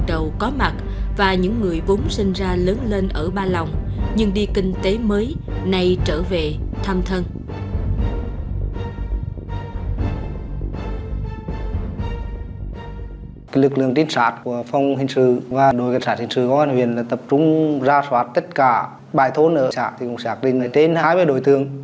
tập trung ra soát tất cả bài thôn ở trạc trạc trên hai đồi tường